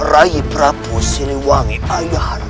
rai prabu siliwangi ayah anda